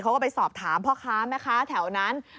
เขาก็ไปสอบถามพ่อค้าแม่ค้าแถวนั้น